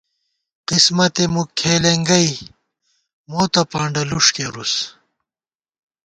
قسمَتے مُک کھېلېنگَئ، مو تہ پانڈہ لُݭ کېرُس